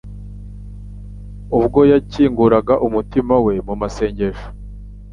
ubwo yakinguraga umutima we mu masengesho